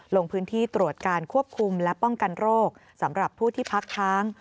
ลงพื้นที่ตรวจการควบคุมและป้องกันโรคสำหรับผู้ที่พักค้าง